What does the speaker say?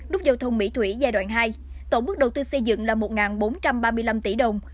nút giao thông mỹ thủy giai đoạn hai tổng mức đầu tư xây dựng là một bốn trăm ba mươi năm tỷ đồng